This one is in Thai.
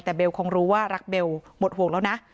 แต่เบลคงรู้ว่ารักเบลหมดห่วงแล้วนะ